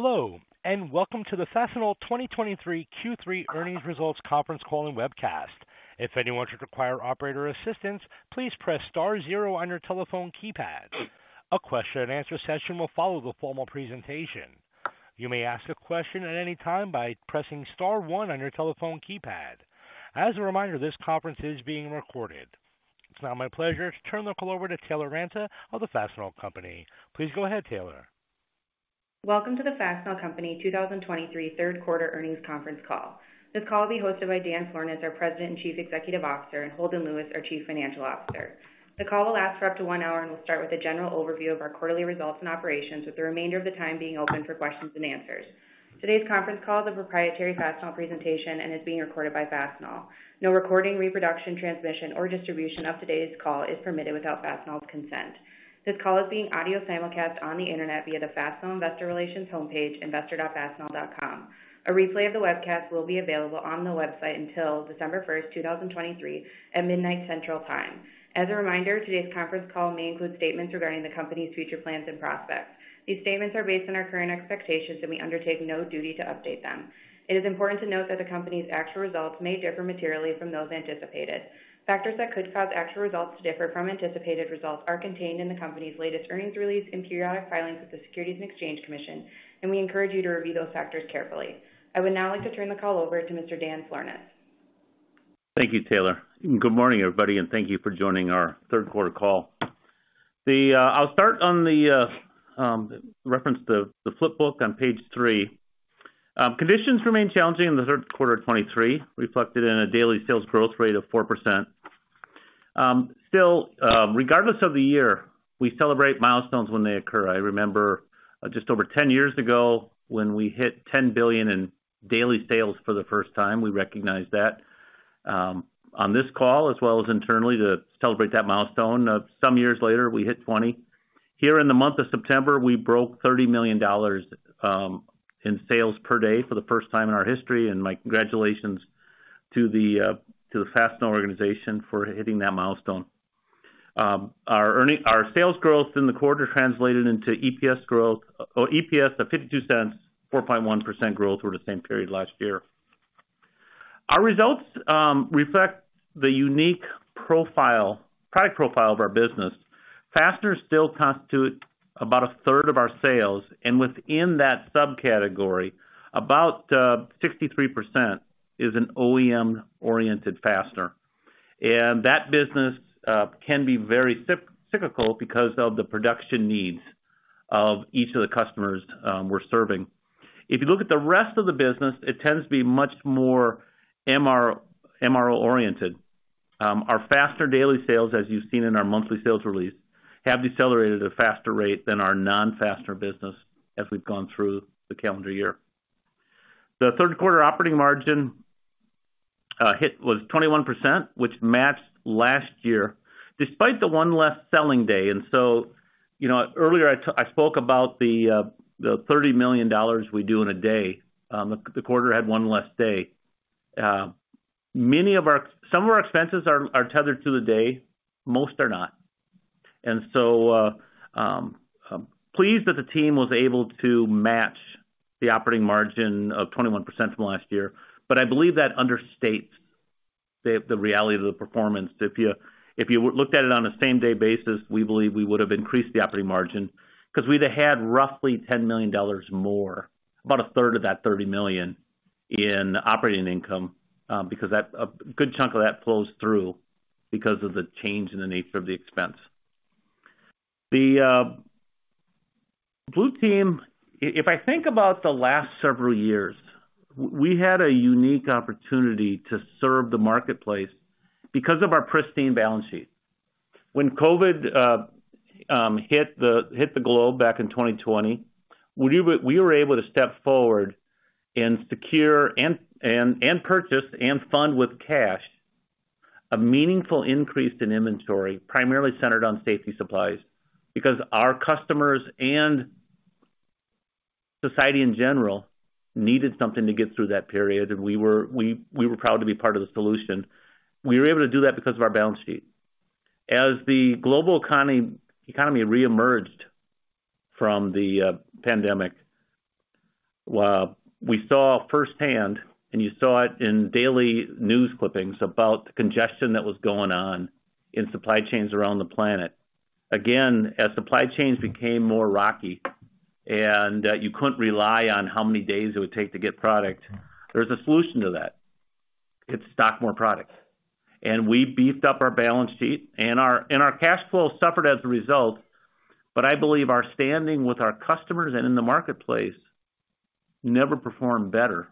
Hello, and welcome to the Fastenal 2023 Q3 Earnings Results Conference Call and Webcast. If anyone should require operator assistance, please press star zero on your telephone keypad. A question and answer session will follow the formal presentation. You may ask a question at any time by pressing star one on your telephone keypad. As a reminder, this conference is being recorded. It's now my pleasure to turn the call over to Taylor Ranta of the Fastenal Company. Please go ahead, Taylor. Welcome to the Fastenal Company 2023 Q3 earnings conference call. This call will be hosted by Dan Florness, our President and Chief Executive Officer, and Holden Lewis, our Chief Financial Officer. The call will last for up to one hour and will start with a general overview of our quarterly results and operations, with the remainder of the time being open for questions and answers. Today's conference call is a proprietary Fastenal presentation and is being recorded by Fastenal. No recording, reproduction, transmission, or distribution of today's call is permitted without Fastenal's consent. This call is being audio simulcast on the internet via the Fastenal Investor Relations homepage, investor.fastenal.com. A replay of the webcast will be available on the website until December 1st 2023, at midnight, Central Time. As a reminder, today's conference call may include statements regarding the company's future plans and prospects. These statements are based on our current expectations, and we undertake no duty to update them. It is important to note that the company's actual results may differ materially from those anticipated. Factors that could cause actual results to differ from anticipated results are contained in the company's latest earnings release and periodic filings with the Securities and Exchange Commission, and we encourage you to review those factors carefully. I would now like to turn the call over to Mr. Daniel Florness. Thank you, Taylor. Good morning, everybody, and thank you for joining our Q3 call. I'll start on the reference the Flipbook on page 3. Conditions remain challenging in the Q3 of 2023, reflected in a daily sales growth rate of 4%. Still, regardless of the year, we celebrate milestones when they occur. I remember just over 10 years ago, when we hit $10 billion in daily sales for the first time, we recognized that on this call, as well as internally, to celebrate that milestone. Some years later, we hit $20 billion. Here in the month of September, we broke $30 million in sales per day for the first time in our history, and my congratulations to the Fastenal organization for hitting that milestone. Our sales growth in the quarter translated into EPS growth, or EPS of $0.52, 4.1% growth over the same period last year. Our results reflect the unique profile, product profile of our business. Fasteners still constitute about a third of our sales, and within that subcategory, about 63% is an OEM-oriented fastener. And that business can be very cyclical because of the production needs of each of the customers we're serving. If you look at the rest of the business, it tends to be much more MRO oriented. Our fastener daily sales, as you've seen in our monthly sales release, have decelerated at a faster rate than our non-fastener business as we've gone through the calendar year. The Q3 operating margin hit, was 21%, which matched last year, despite the one less selling day. You know, earlier I spoke about the $30 million we do in a day. The quarter had one less day. Many of our, some of our expenses are tethered to the day, most are not. You know, I'm pleased that the team was able to match the operating margin of 21% from last year, but I believe that understates the reality of the performance. If you looked at it on a same-day basis, we believe we would have increased the operating margin because we'd have had roughly $10 million more, about a third of that $30 million, in operating income, because that... A good chunk of that flows through because of the change in the nature of the expense. The good thing, if I think about the last several years, we had a unique opportunity to serve the marketplace because of our pristine balance sheet. When COVID hit the globe back in 2020, we were able to step forward and secure, purchase, and fund with cash a meaningful increase in inventory, primarily centered on safety supplies, because our customers and society in general needed something to get through that period, and we were proud to be part of the solution. We were able to do that because of our balance sheet. As the global economy reemerged from the pandemic, we saw firsthand, and you saw it in daily news clippings, about the congestion that was going on in supply chains around the planet. Again, as supply chains became more rocky and you couldn't rely on how many days it would take to get product, there's a solution to that: It's stock more product. And we beefed up our balance sheet and our cash flow suffered as a result, but I believe our standing with our customers and in the marketplace never performed better,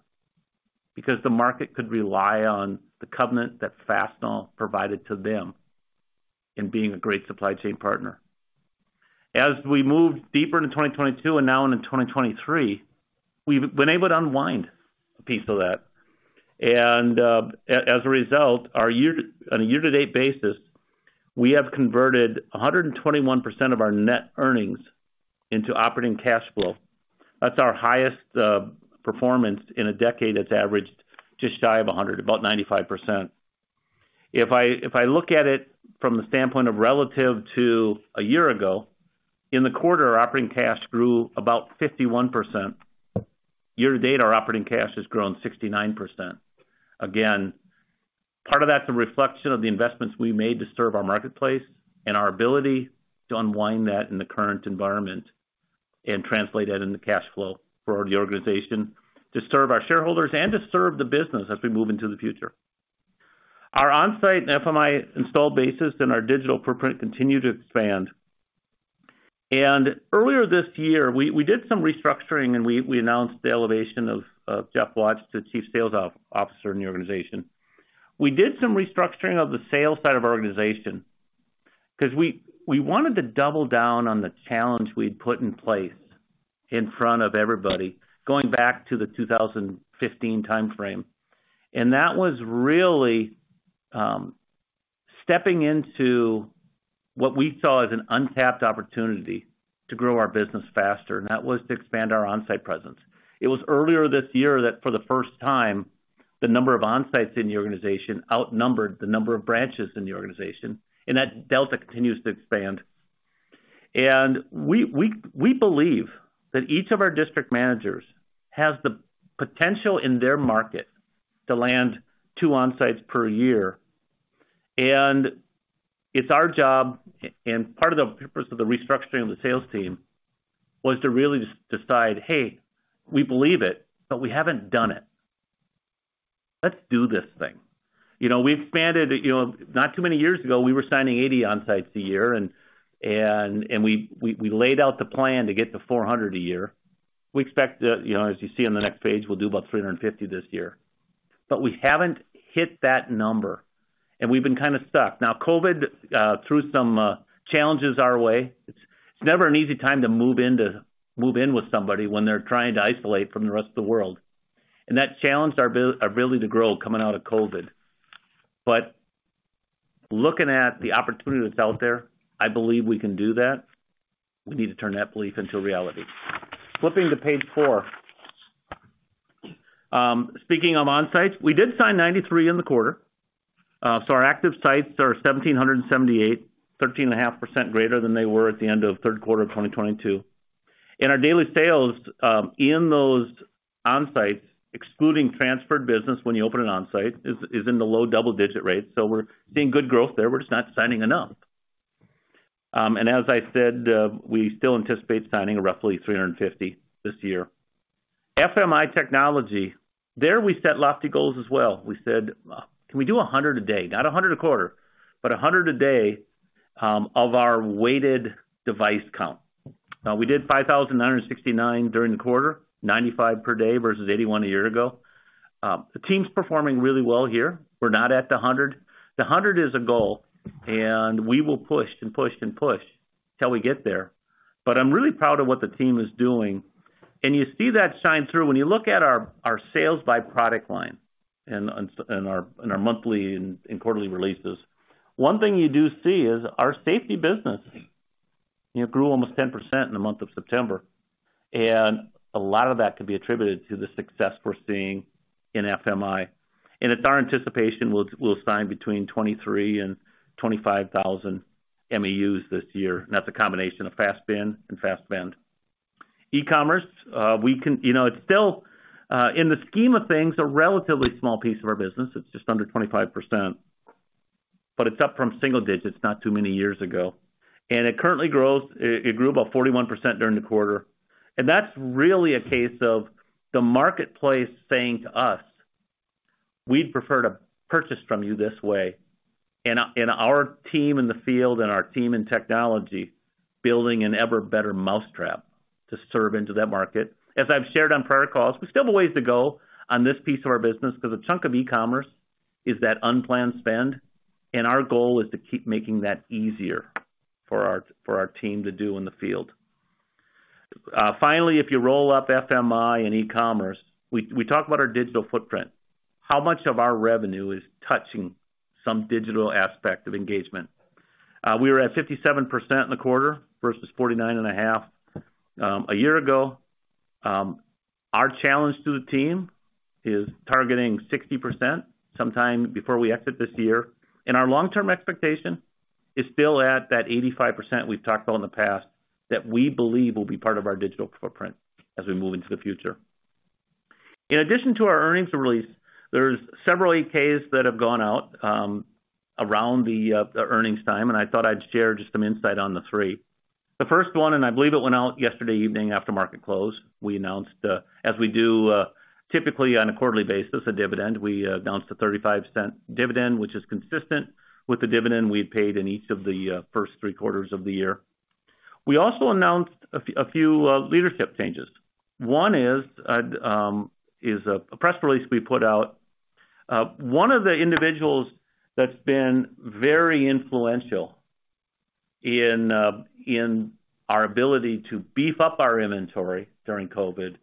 because the market could rely on the covenant that Fastenal provided to them in being a great supply chain partner. As we moved deeper into 2022 and now into 2023, we've been able to unwind a piece of that. As a result, on a year-to-date basis, we have converted 121% of our net earnings into operating cash flow. That's our highest performance in a decade that's averaged just shy of 100%, about 95%. If I look at it from the standpoint of relative to a year ago, in the quarter, our operating cash grew about 51%. Year to date, our operating cash has grown 69%. Again, part of that's a reflection of the investments we made to serve our marketplace and our ability to unwind that in the current environment and translate that into cash flow for the organization to serve our shareholders and to serve the business as we move into the future. Our onsite and FMI install bases and our digital footprint continue to expand. Earlier this year, we did some restructuring and we announced the elevation of Jeff Watts to Chief Sales Officer in the organization. We did some restructuring of the sales side of our organization because we wanted to double down on the challenge we'd put in place in front of everybody, going back to the 2015 timeframe. That was really stepping into what we saw as an untapped opportunity to grow our business faster, and that was to expand our onsite presence. It was earlier this year that for the first time, the number of Onsites in the organization outnumbered the number of branches in the organization, and that delta continues to expand. We believe that each of our district managers has the potential in their market to land two Onsites per year. It's our job, and part of the purpose of the restructuring of the sales team, was to really just decide: Hey, we believe it, but we haven't done it. Let's do this thing. You know, we've expanded... You know, not too many years ago, we were signing 80 Onsites a year and we laid out the plan to get to 400 a year. We expect to, you know, as you see on the next page, we'll do about 350 this year. But we haven't hit that number, and we've been kind of stuck. Now, COVID threw some challenges our way. It's never an easy time to move in to move in with somebody when they're trying to isolate from the rest of the world. That challenged our ability to grow coming out of COVID. But looking at the opportunity that's out there, I believe we can do that. We need to turn that belief into reality. Flipping to page four. Speaking of Onsites, we did sign 93 in the quarter. So our active sites are 1,778, 13.5% greater than they were at the end of Q3 of 2022. And our daily sales in those Onsites, excluding transferred business when you open an Onsite, is in the low double-digit rate. So we're seeing good growth there. We're just not signing enough. And as I said, we still anticipate signing roughly 350 this year. FMI technology, there we set lofty goals as well. We said, "Can we do 100 a day? Not a hundred a quarter, but a hundred a day, of our weighted device count. We did 5,969 during the quarter, 95 per day versus 81 a year ago. The team's performing really well here. We're not at the hundred. The hundred is a goal, and we will push and push and push till we get there. I'm really proud of what the team is doing, and you see that shine through when you look at our sales by product line and in our monthly and quarterly releases. One thing you do see is our safety business, it grew almost 10% in the month of September, and a lot of that could be attributed to the success we're seeing in FMI. It's our anticipation we'll, we'll sign between 23 and 25 thousand MEUs this year, and that's a combination of FASTBin and FASTVend. E-commerce, we can... You know, it's still in the scheme of things, a relatively small piece of our business. It's just under 25%, but it's up from single digits not too many years ago. And it currently grows... it grew about 41% during the quarter, and that's really a case of the marketplace saying to us, "We'd prefer to purchase from you this way." And our, and our team in the field and our team in technology, building an ever better mousetrap to serve into that market. As I've shared on prior calls, we still have a ways to go on this piece of our business, because a chunk of e-commerce is that unplanned spend, and our goal is to keep making that easier for our, for our team to do in the field. Finally, if you roll up FMI and e-commerce, we, we talk about our digital footprint. How much of our revenue is touching some digital aspect of engagement? We were at 57% in the quarter versus 49.5, a year ago. Our challenge to the team is targeting 60% sometime before we exit this year, and our long-term expectation is still at that 85% we've talked about in the past that we believe will be part of our digital footprint as we move into the future. In addition to our earnings release, there's several 8-Ks that have gone out around the earnings time, and I thought I'd share just some insight on the three. The first one, and I believe it went out yesterday evening after market close, we announced, as we do, typically on a quarterly basis, a dividend. We announced a $0.35 dividend, which is consistent with the dividend we had paid in each of the first three quarters of the year. We also announced a few leadership changes. One is a press release we put out. One of the individuals that's been very influential in our ability to beef up our inventory during COVID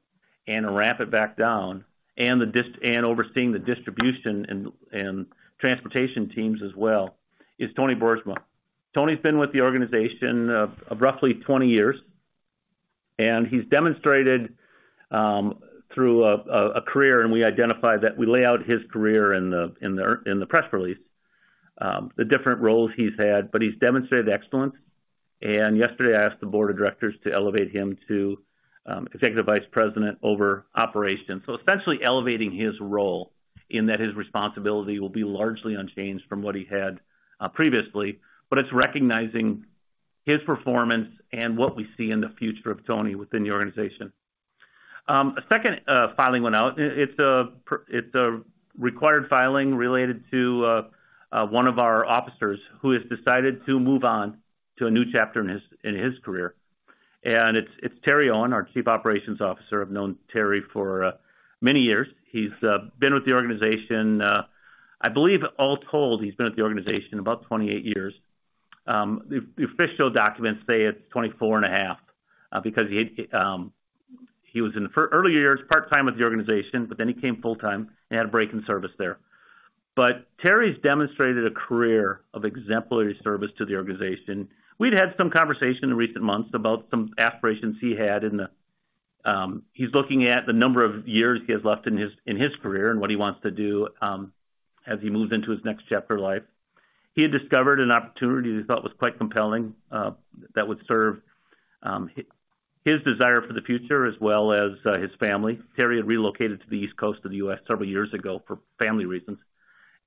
and ramp it back down, and overseeing the distribution and transportation teams as well, is Tony Boersma. Tony's been with the organization, roughly 20 years. He's demonstrated, through a career, and we identified that we lay out his career in the press release, the different roles he's had, but he's demonstrated excellence. Yesterday, I asked the board of directors to elevate him to executive vice president over operations. Essentially elevating his role in that his responsibility will be largely unchanged from what he had previously, but it's recognizing his performance and what we see in the future of Tony within the organization. A second filing went out. It's a required filing related to one of our officers who has decided to move on to a new chapter in his career. It's Terry Owen, our Chief Operations Officer. I've known Terry for many years. He's been with the organization. I believe all told, he's been at the organization about 28 years. The official documents say it's 24.5, because he was in the early years, part-time with the organization, but then he came full-time and had a break in service there. But Terry's demonstrated a career of exemplary service to the organization. We'd had some conversation in recent months about some aspirations he had in the... He's looking at the number of years he has left in his career and what he wants to do, as he moves into his next chapter of life. He had discovered an opportunity that he thought was quite compelling, that would serve his desire for the future, as well as his family. Terry had relocated to the East Coast of the U.S. several years ago for family reasons,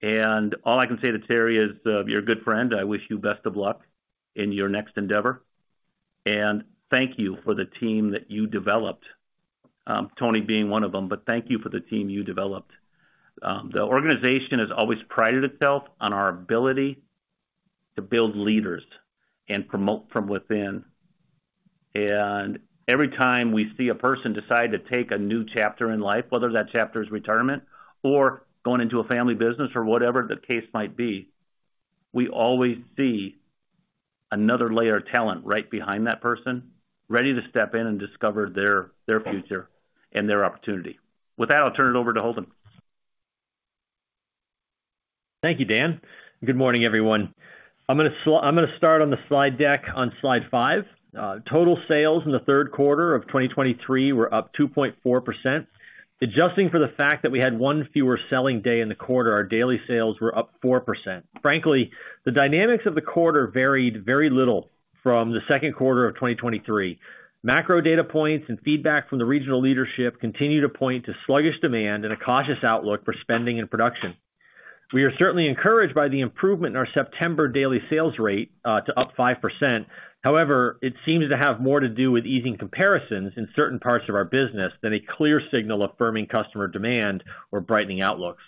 and all I can say to Terry is, you're a good friend. I wish you best of luck in your next endeavor, and thank you for the team that you developed, Tony being one of them. But thank you for the team you developed. The organization has always prided itself on our ability to build leaders and promote from within. And every time we see a person decide to take a new chapter in life, whether that chapter is retirement or going into a family business or whatever the case might be, we always see another layer of talent right behind that person, ready to step in and discover their, their future and their opportunity. With that, I'll turn it over to Holden. Thank you, Dan. Good morning, everyone. I'm going to start on the slide deck on slide five. Total sales in the Q3 of 2023 were up 2.4%. Adjusting for the fact that we had one fewer selling day in the quarter, our daily sales were up 4%. Frankly, the dynamics of the quarter varied very little from the Q2 of 2023. Macro data points and feedback from the regional leadership continue to point to sluggish demand and a cautious outlook for spending and production. We are certainly encouraged by the improvement in our September daily sales rate to up 5%. However, it seems to have more to do with easing comparisons in certain parts of our business than a clear signal of firming customer demand or brightening outlooks.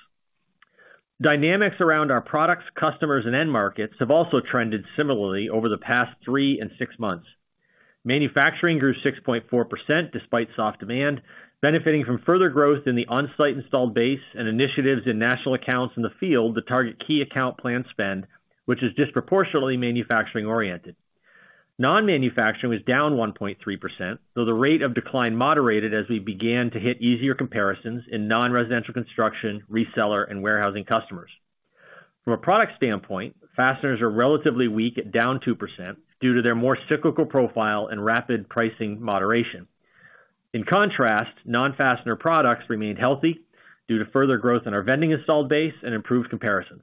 Dynamics around our products, customers, and end markets have also trended similarly over the past 3 and 6 months. Manufacturing grew 6.4%, despite soft demand, benefiting from further growth in the on-site installed base and initiatives in national accounts in the field that target key account plan spend, which is disproportionately manufacturing-oriented. Non-manufacturing was down 1.3%, though the rate of decline moderated as we began to hit easier comparisons in non-residential construction, reseller, and warehousing customers. From a product standpoint, fasteners are relatively weak, down 2%, due to their more cyclical profile and rapid pricing moderation. In contrast, non-fastener products remained healthy due to further growth in our vending installed base and improved comparisons.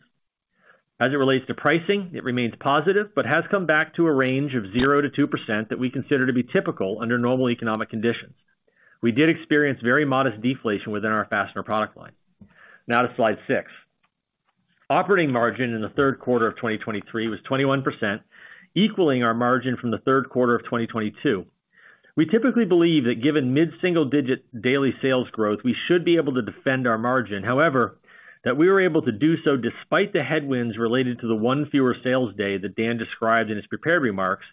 As it relates to pricing, it remains positive, but has come back to a range of 0%-2% that we consider to be typical under normal economic conditions. We did experience very modest deflation within our fastener product line. Now to slide six. Operating margin in the Q3 of 2023 was 21%, equaling our margin from the Q3 of 2022. We typically believe that given mid-single digit daily sales growth, we should be able to defend our margin. However, that we were able to do so, despite the headwinds related to the one fewer sales day that Dan described in his prepared remarks,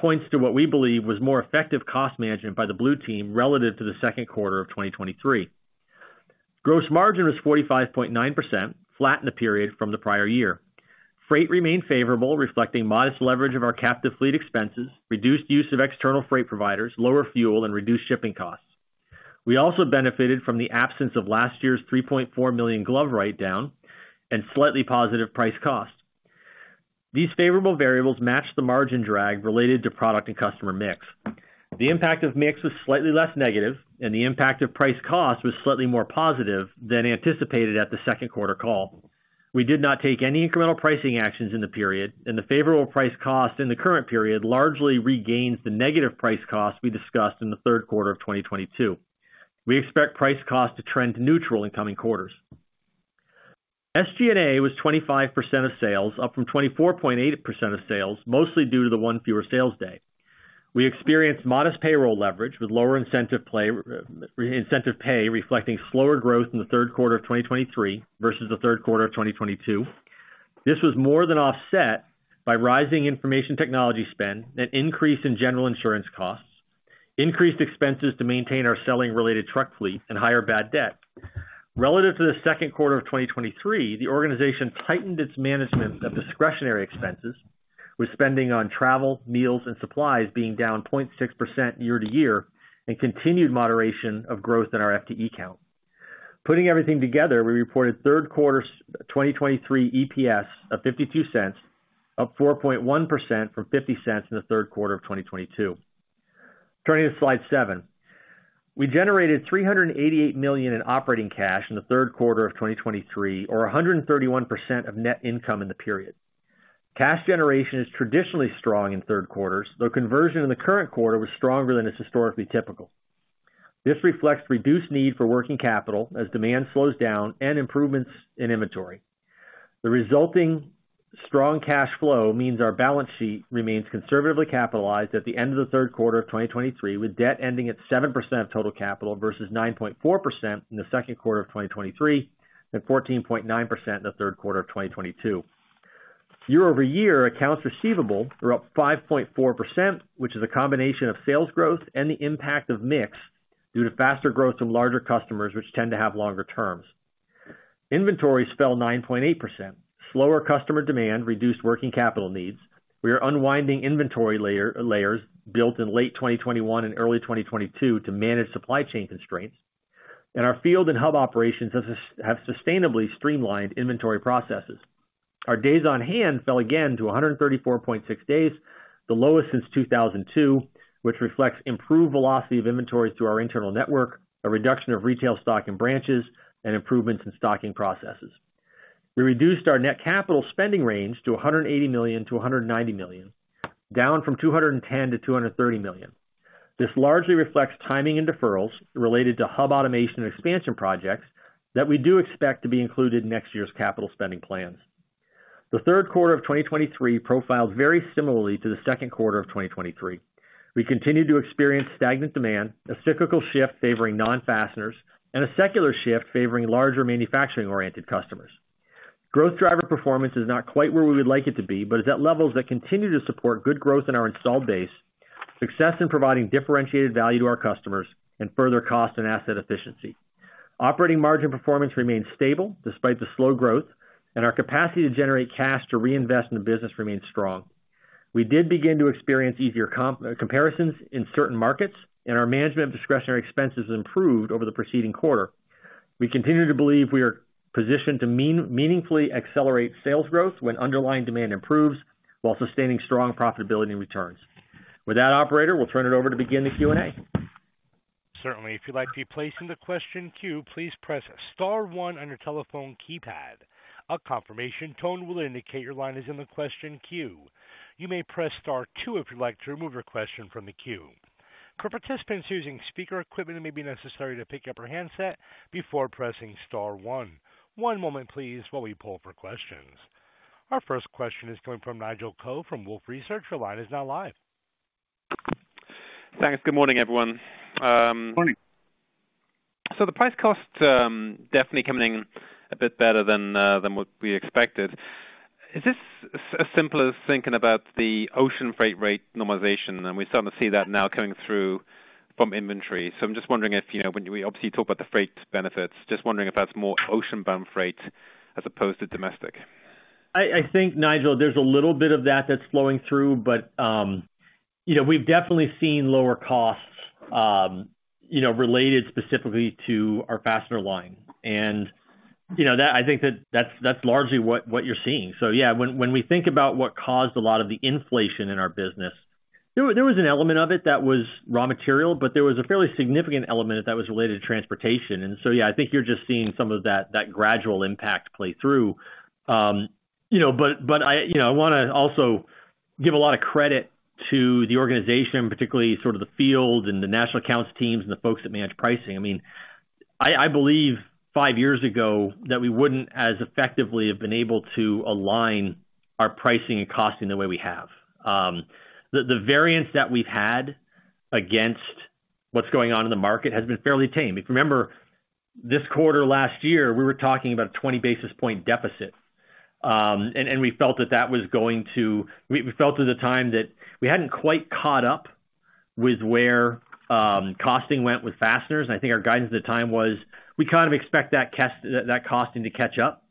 points to what we believe was more effective cost management by the blue team, relative to the Q2 of 2023. Gross margin was 45.9%, flat in the period from the prior year. Freight remained favorable, reflecting modest leverage of our captive fleet expenses, reduced use of external freight providers, lower fuel, and reduced shipping costs. We also benefited from the absence of last year's $3.4 million glove write-down and slightly positive price cost. These favorable variables matched the margin drag related to product and customer mix. The impact of mix was slightly less negative, and the impact of price cost was slightly more positive than anticipated at the Q2 call. We did not take any incremental pricing actions in the period, and the favorable price cost in the current period largely regains the negative price cost we discussed in the Q3 of 2022. We expect price cost to trend neutral in coming quarters. SG&A was 25% of sales, up from 24.8% of sales, mostly due to the one fewer sales day. We experienced modest payroll leverage with lower incentive pay, reflecting slower growth in the Q3 of 2023 versus the Q3 of 2022. This was more than offset by rising information technology spend, an increase in general insurance costs, increased expenses to maintain our selling-related truck fleet, and higher bad debt. Relative to the Q2 of 2023, the organization tightened its management of discretionary expenses, with spending on travel, meals, and supplies being down 0.6% year-to-year, and continued moderation of growth in our FTE count. Putting everything together, we reported Q3 2023 EPS of $0.52, up 4.1% from $0.50 in the Q3 of 2022. Turning to Slide seven. We generated $388 million in operating cash in the Q3 of 2023, or 131% of net income in the period. Cash generation is traditionally strong in Q3s, though conversion in the current quarter was stronger than is historically typical. This reflects reduced need for working capital as demand slows down and improvements in inventory. The resulting strong cash flow means our balance sheet remains conservatively capitalized at the end of the Q3 of 2023, with debt ending at 7% of total capital versus 9.4% in the Q2 of 2023, and 14.9% in the Q3 of 2022. Year-over-year, accounts receivable are up 5.4%, which is a combination of sales growth and the impact of mix due to faster growth from larger customers, which tend to have longer terms. Inventories fell 9.8%. Slower customer demand reduced working capital needs. We are unwinding inventory layers built in late 2021 and early 2022 to manage supply chain constraints, and our field and hub operations have sustainably streamlined inventory processes. Our days on hand fell again to 134.6 days, the lowest since 2002, which reflects improved velocity of inventories through our internal network, a reduction of retail stock in branches, and improvements in stocking processes. We reduced our net capital spending range to $180 million-$190 million, down from $210 million-$230 million. This largely reflects timing and deferrals related to hub automation and expansion projects that we do expect to be included in next year's capital spending plans. The Q3 of 2023 profiled very similarly to the Q2 of 2023. We continued to experience stagnant demand, a cyclical shift favoring non-fasteners, and a secular shift favoring larger manufacturing-oriented customers. Growth driver performance is not quite where we would like it to be, but is at levels that continue to support good growth in our installed base, success in providing differentiated value to our customers, and further cost and asset efficiency. `margin performance remains stable despite the slow growth, and our capacity to generate cash to reinvest in the business remains strong. We did begin to experience easier comp- comparisons in certain markets, and our management of discretionary expenses improved over the preceding quarter. We continue to believe we are positioned to meaningfully accelerate sales growth when underlying demand improves, while sustaining strong profitability returns. With that, operator, we'll turn it over to begin the Q&A. Certainly. If you'd like to be placed in the question queue, please press star one on your telephone keypad. A confirmation tone will indicate your line is in the question queue. You may press star two if you'd like to remove your question from the queue. For participants using speaker equipment, it may be necessary to pick up your handset before pressing star one. One moment please, while we pull for questions. Our first question is coming from Nigel Coe from Wolfe Research. Your line is now live. Thanks. Good morning, everyone. Morning. So the price cost, definitely coming in a bit better than what we expected. Is this as simple as thinking about the ocean freight rate normalization, and we're starting to see that now coming through from inventory? So I'm just wondering if, you know, when we obviously talk about the freight benefits, just wondering if that's more ocean-bound freight as opposed to domestic? I think, Nigel, there's a little bit of that that's flowing through, but, you know, we've definitely seen lower costs, you know, related specifically to our fastener line. And, you know, that-- I think that that's, that's largely what, what you're seeing. So yeah, when we think about what caused a lot of the inflation in our business, there was, there was an element of it that was raw material, but there was a fairly significant element of it that was related to transportation. I think you're just seeing some of that, that gradual impact play through. You know, but I, you know, I want to also give a lot of credit to the organization, particularly sort of the field and the national accounts teams and the folks that manage pricing. I mean, I believe five years ago, that we wouldn't as effectively have been able to align our pricing and costing the way we have. The variance that we've had against what's going on in the market has been fairly tame. If you remember, this quarter, last year, we were talking about a 20 basis point deficit, and we felt that that was going to. We felt at the time that we hadn't quite caught up with where costing went with fasteners, and I think our guidance at the time was, we kind of expect that costing to catch up.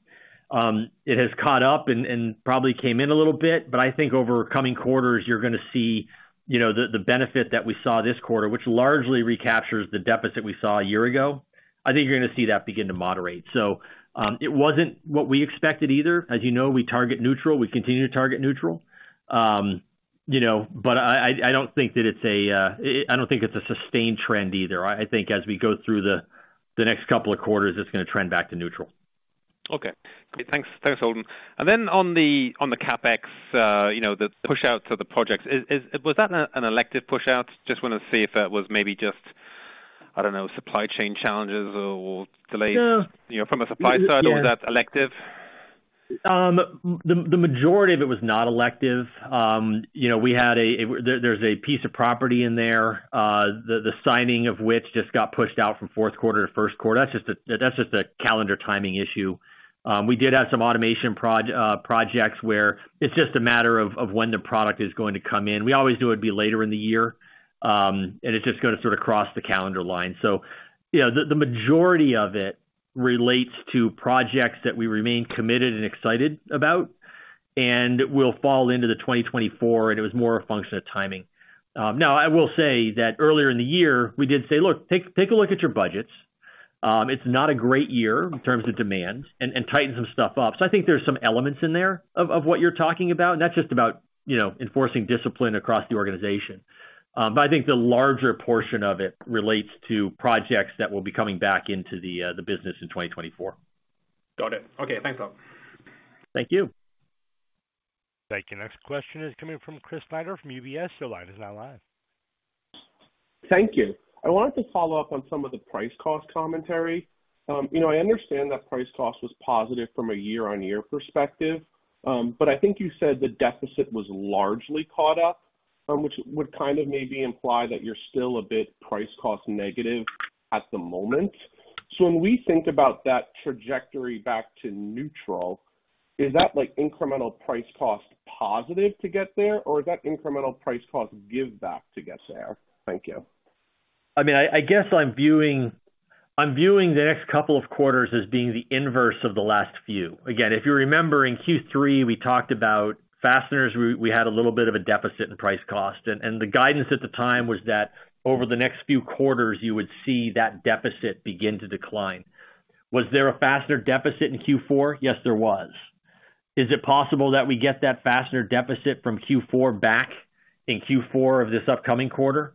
It has caught up and probably came in a little bit, but I think over coming quarters, you're going to see, you know, the benefit that we saw this quarter, which largely recaptures the deficit we saw a year ago. I think you're going to see that begin to moderate. So, it wasn't what we expected either. As you know, we target neutral. We continue to target neutral. You know, but I don't think that it's a sustained trend either. I think as we go through the next couple of quarters, it's going to trend back to neutral. Okay. Thanks. Thanks, Holden. And then on the CapEx, you know, the push out to the projects, was that an elective push out? Just want to see if that was maybe just, I don't know, supply chain challenges or delays? No. You know, from a supply side, or was that elective? The majority of it was not elective. You know, we had a... There's a piece of property in there, the signing of which just got pushed out from Q4 to Q1. That's just a calendar timing issue. We did have some automation projects where it's just a matter of when the product is going to come in. We always knew it'd be later in the year, and it's just going to sort of cross the calendar line. So, you know, the majority of it relates to projects that we remain committed and excited about.... and will fall into the 2024, and it was more a function of timing. Now, I will say that earlier in the year, we did say: "Look, take, take a look at your budgets. It's not a great year in terms of demand, and, and tighten some stuff up." So I think there's some elements in there of, of what you're talking about, not just about, you know, enforcing discipline across the organization. But I think the larger portion of it relates to projects that will be coming back into the business in 2024. Got it. Okay, thanks a lot. Thank you. Thank you. Next question is coming from Chris Snyder from UBS. Your line is now live. Thank you. I wanted to follow up on some of the price cost commentary. You know, I understand that price cost was positive from a year-on-year perspective, but I think you said the deficit was largely caught up, which would kind of maybe imply that you're still a bit price cost negative at the moment. So when we think about that trajectory back to neutral, is that, like, incremental price cost positive to get there, or is that incremental price cost give back to get there? Thank you. I mean, I, I guess I'm viewing... I'm viewing the next couple of quarters as being the inverse of the last few. Again, if you remember, in Q3, we talked about fasteners. We, we had a little bit of a deficit in price cost, and, and the guidance at the time was that over the next few quarters, you would see that deficit begin to decline. Was there a fastener deficit in Q4? Yes, there was. Is it possible that we get that fastener deficit from Q4 back in Q4 of this upcoming quarter?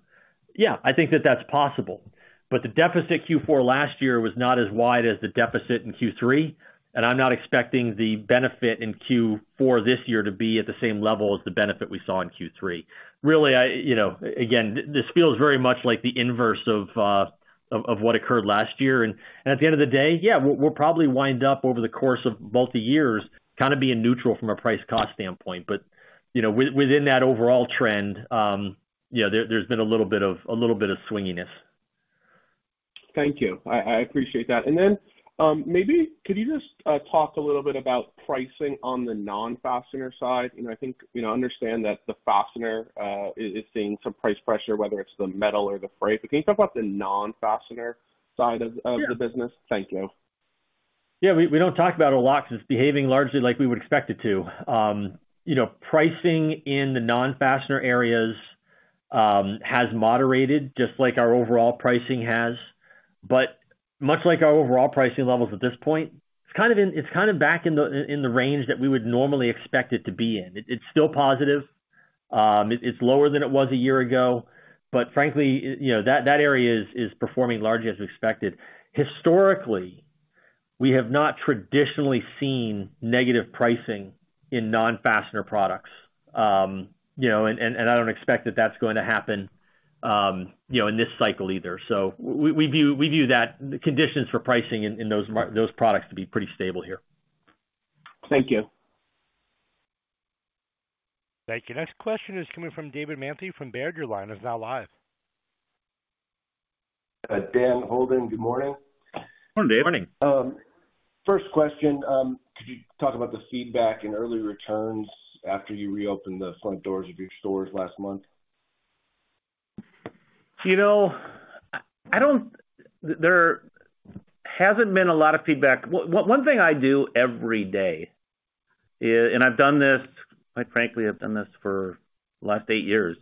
Yeah, I think that that's possible, but the deficit Q4 last year was not as wide as the deficit in Q3, and I'm not expecting the benefit in Q4 this year to be at the same level as the benefit we saw in Q3. Really, you know, again, this feels very much like the inverse of what occurred last year. At the end of the day, yeah, we'll probably wind up over the course of both the years, kind of being neutral from a price cost standpoint. But, you know, within that overall trend, yeah, there's been a little bit of a little bit of swinginess. Thank you. I appreciate that. And then, maybe could you just talk a little bit about pricing on the non-fastener side? You know, I think, you know, understand that the fastener is seeing some price pressure, whether it's the metal or the freight, but can you talk about the non-fastener side of the business? Sure. Thank you. Yeah, we don't talk about it a lot because it's behaving largely like we would expect it to. You know, pricing in the non-fastener areas has moderated just like our overall pricing has. But much like our overall pricing levels at this point, it's kind of back in the range that we would normally expect it to be in. It's still positive. It's lower than it was a year ago, but frankly, you know, that area is performing largely as expected. Historically, we have not traditionally seen negative pricing in non-fastener products. You know, I don't expect that that's going to happen, you know, in this cycle either. So we view that the conditions for pricing in those products to be pretty stable here. Thank you. Thank you. Next question is coming from David Manthey from Baird. Your line is now live. Dan Holden. Good morning. Good morning. Morning. First question, could you talk about the feedback and early returns after you reopened the front doors of your stores last month? You know, I don't—there hasn't been a lot of feedback. One, one thing I do every day, and I've done this... quite frankly, I've done this for the last eight years,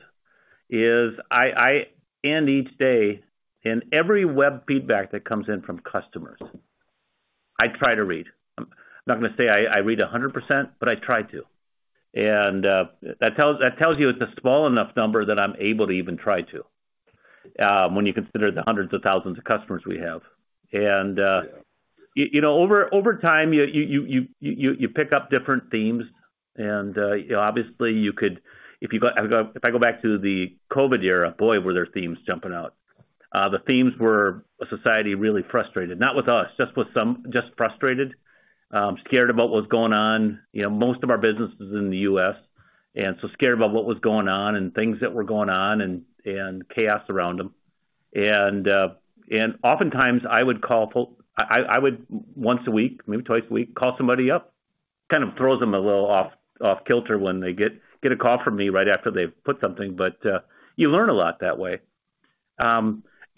is I, I end each day in every web feedback that comes in from customers, I try to read. I'm not going to say I, I read 100%, but I try to. And, that tells, that tells you it's a small enough number that I'm able to even try to, when you consider the hundreds of thousands of customers we have. And, Yeah... you know, over time, you pick up different themes and, obviously, you could—if you go... If I go back to the COVID era, boy, were there themes jumping out. The themes were a society really frustrated, not with us, just with some—just frustrated, scared about what's going on. You know, most of our business is in the US, and so scared about what was going on and things that were going on and chaos around them. And oftentimes I would call—I would, once a week, maybe twice a week, call somebody up, kind of throws them a little off kilter when they get a call from me right after they've put something. But you learn a lot that way.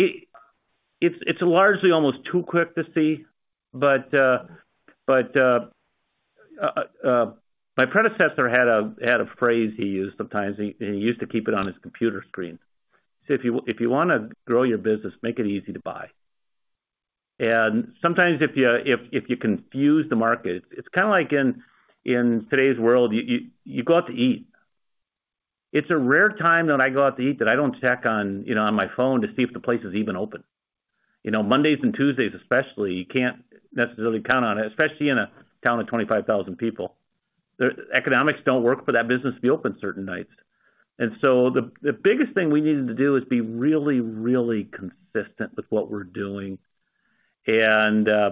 It's largely almost too quick to see. But my predecessor had a phrase he used sometimes, and he used to keep it on his computer screen. "So if you want to grow your business, make it easy to buy." And sometimes if you confuse the market, it's kind of like in today's world, you go out to eat. It's a rare time that I go out to eat that I don't check on, you know, on my phone to see if the place is even open. You know, Mondays and Tuesdays especially, you can't necessarily count on it, especially in a town of 25,000 people. The economics don't work for that business to be open certain nights. The biggest thing we needed to do is be really, really consistent with what we're doing. The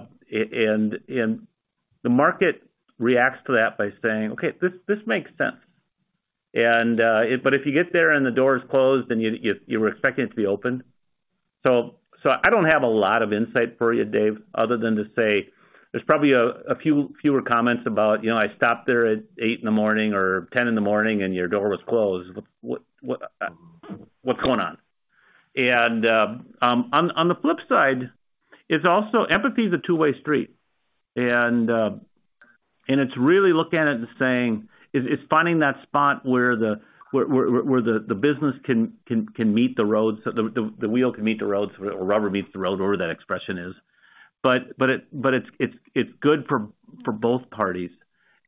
market reacts to that by saying, "Okay, this, this makes sense." If you get there and the door is closed and you were expecting it to be open, I don't have a lot of insight for you, Dave, other than to say there's probably fewer comments about, you know, I stopped there at 8:00 A.M. or 10:00A.M., and your door was closed. What, what, what's going on? On the flip side, it's also empathy is a two-way street. And it's really looking at it and saying, it's finding that spot where the business can meet the road, so the wheel can meet the road, or rubber meets the road, whatever that expression is. But it's good for both parties.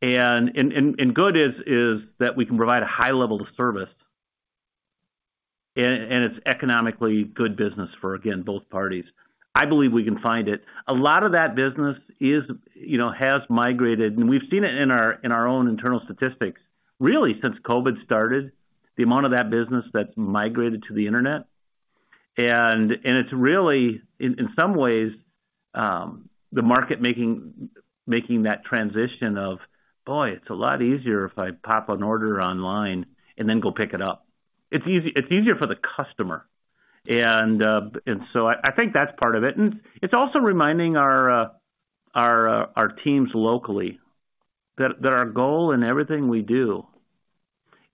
And good is that we can provide a high level of service, and it's economically good business for, again, both parties. I believe we can find it. A lot of that business is, you know, has migrated, and we've seen it in our own internal statistics, really, since COVID started, the amount of that business that's migrated to the internet. It's really, in some ways, the market making that transition of, "Boy, it's a lot easier if I pop an order online and then go pick it up." It's easier for the customer. I think that's part of it. It's also reminding our teams locally that our goal in everything we do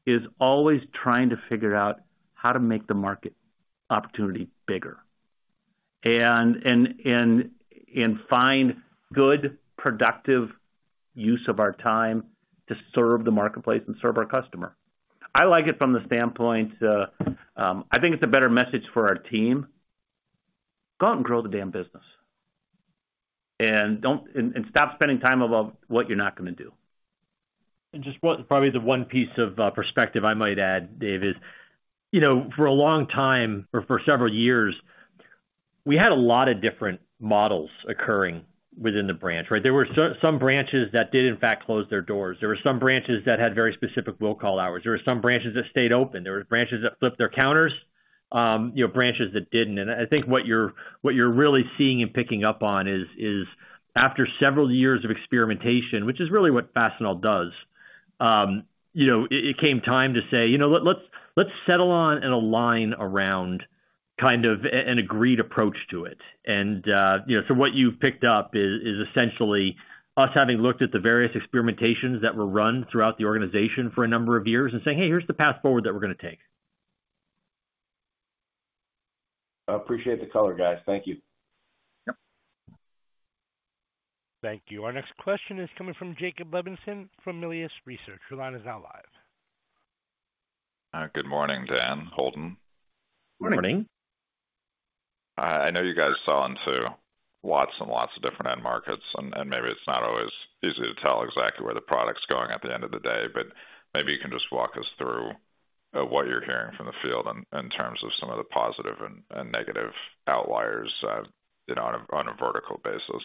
is always trying to figure out how to make the market opportunity bigger, and find good, productive use of our time to serve the marketplace and serve our customer. I like it from the standpoint, I think it's a better message for our team: "Go out and grow the damn business, and stop spending time about what you're not going to do. And just one, probably the one piece of perspective I might add, Dave, is, you know, for a long time or for several years, we had a lot of different models occurring within the branch, right? There were some branches that did, in fact, close their doors. There were some branches that had very specific will call hours. There were some branches that stayed open. There were branches that flipped their counters, you know, branches that didn't. And I think what you're really seeing and picking up on is after several years of experimentation, which is really what Fastenal does, you know, it came time to say: "You know, let's settle on and align around kind of an agreed approach to it." And, you know, so what you've picked up is essentially us having looked at the various experimentations that were run throughout the organization for a number of years and saying, "Hey, here's the path forward that we're going to take. I appreciate the color, guys. Thank you. Yep. Thank you. Our next question is coming from Jacob Levinson, from Melius Research. Your line is now live. Good morning, Dan, Holden. Morning. Morning. I know you guys sell into lots and lots of different end markets, and maybe it's not always easy to tell exactly where the product's going at the end of the day, but maybe you can just walk us through what you're hearing from the field in terms of some of the positive and negative outliers, you know, on a vertical basis.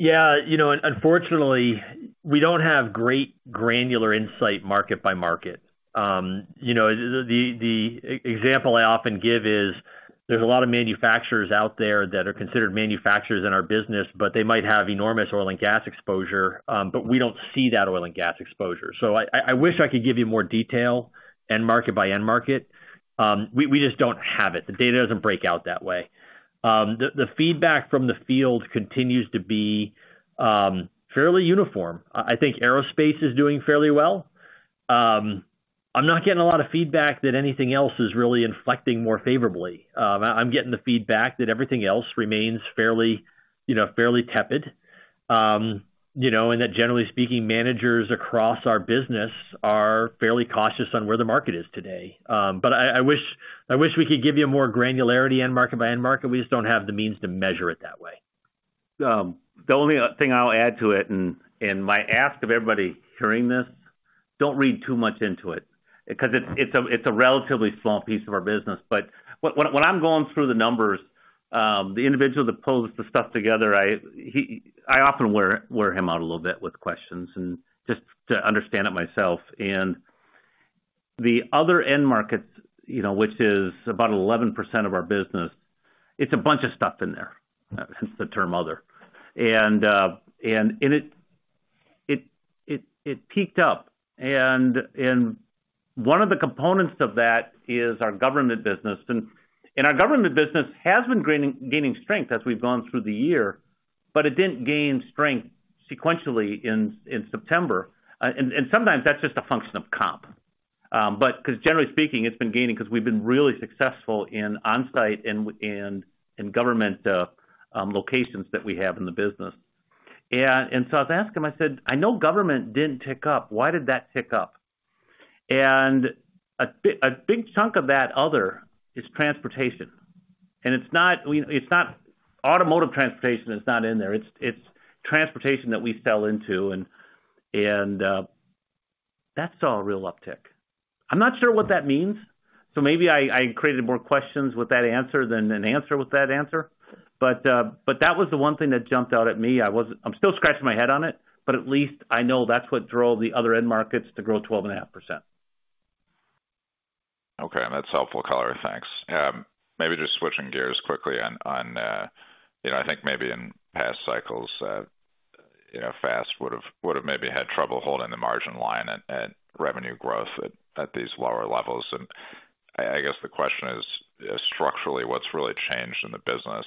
Yeah, you know, unfortunately, we don't have great granular insight, market by market. You know, the example I often give is, there's a lot of manufacturers out there that are considered manufacturers in our business, but they might have enormous oil and gas exposure, but we don't see that oil and gas exposure. So I wish I could give you more detail, end market by end market. We just don't have it. The data doesn't break out that way. The feedback from the field continues to be fairly uniform. I think aerospace is doing fairly well. I'm not getting a lot of feedback that anything else is really inflecting more favorably. I'm getting the feedback that everything else remains fairly, you know, fairly tepid. You know, and that generally speaking, managers across our business are fairly cautious on where the market is today. But I wish we could give you more granularity, end market by end market. We just don't have the means to measure it that way. The only thing I'll add to it, and my ask of everybody hearing this, don't read too much into it because it's a relatively small piece of our business. But when I'm going through the numbers, the individual that pulls the stuff together, I often wear him out a little bit with questions and just to understand it myself. And the other end markets, you know, which is about 11% of our business, it's a bunch of stuff in there. Hence, the term other. And it peaked up, and one of the components of that is our government business. And our government business has been gaining strength as we've gone through the year, but it didn't gain strength sequentially in September. And sometimes that's just a function of comp. But because generally speaking, it's been gaining because we've been really successful in onsite and government locations that we have in the business. And so I was asking him, I said: "I know government didn't tick up. Why did that tick up?" And a big chunk of that other is transportation, and it's not automotive transportation, it's not in there. It's transportation that we sell into, and that saw a real uptick. I'm not sure what that means, so maybe I created more questions with that answer than an answer with that answer. But that was the one thing that jumped out at me. I'm still scratching my head on it, but at least I know that's what drove the other end markets to grow 12.5%. Okay, that's helpful color. Thanks. Maybe just switching gears quickly on, on, you know, I think maybe in past cycles, you know, Fast would've, would've maybe had trouble holding the margin line and, and revenue growth at, at these lower levels. And I, I guess the question is, structurally, what's really changed in the business?